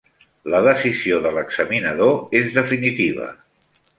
La decisió de l'examinador és definitiva.